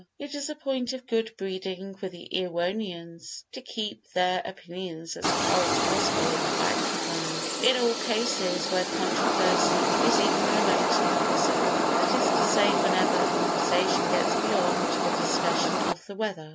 It is a point of good breeding with the Erewhonians to keep their opinions as far as possible in the background in all cases where controversy is even remotely possible, that is to say whenever conversation gets beyond the discussion of the weather.